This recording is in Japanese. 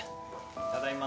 ただいま